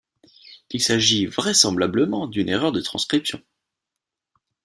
Il s'agit vraisemblablement d'une erreur de transcription.